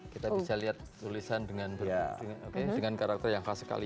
kita bisa lihat tulisan dengan karakter yang khas sekali